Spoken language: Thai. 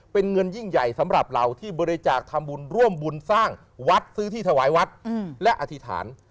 เป็นเงินยิ่งใหญ่สำหรับเราที่บริจาคทำบุญร่วมบุญสร้างวัดซื้อที่ถวายวัดและอธิษฐาน